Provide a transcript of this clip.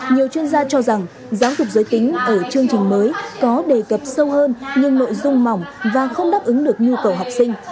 nhiều chuyên gia cho rằng giáo dục giới tính ở chương trình mới có đề cập sâu hơn nhưng nội dung mỏng và không đáp ứng được nhu cầu học sinh